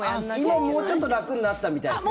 今、もうちょっと楽になったみたいですけど。